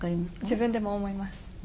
自分でも思います。